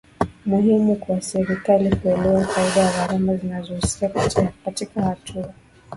muhimu kwa serikali kuelewa faida na gharama zinazohusika katika hatua